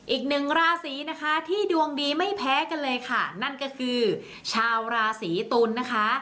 อีกหนึ่งราศีนะคะที่ดวงดีไม่แพ้กันเลยค่ะนั่นก็คือชาวราศีตุลนะคะ